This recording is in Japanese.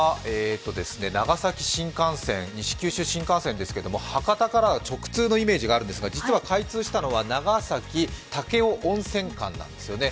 実は西九州新幹線ですけれども博多から直通のイメージがあるんですが、実は開通したのは、長崎−武雄温泉間なんですよね。